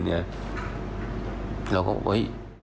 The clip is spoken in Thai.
เราก็โอ๊ย